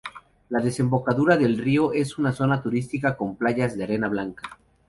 La desembocadura del río es una zona turística con playas de arena blanca.